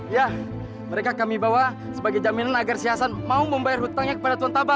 ya mereka kami bawa sebagai jaminan agar si hasan mau membayar hutangnya kepada tuan taba